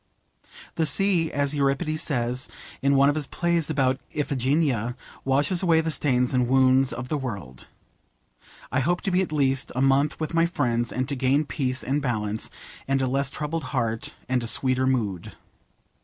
The sea, as Euripides says in one of his plays about Iphigeneia, washes away the stains and wounds of the world. I hope to be at least a month with my friends, and to gain peace and balance, and a less troubled heart, and a sweeter mood.